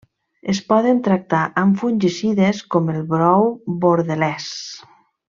Es poden tractar amb fungicides com el brou bordelès.